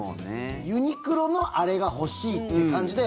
ユニクロのあれが欲しいって感じで。